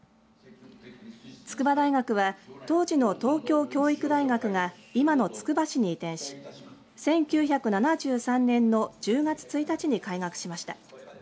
筑波大学は当時の東京教育大学が今のつくば市に移転し１９７３年の１０月１日に開学しました。